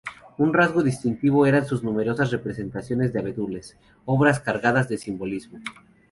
Un rasgo distintivo eran sus numerosas representaciones de abedules, obras cargadas de simbolismo.